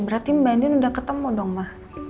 berarti mbak endin udah ketemu dong ma